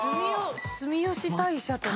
住吉大社とか。